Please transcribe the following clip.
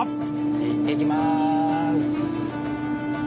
いってきます。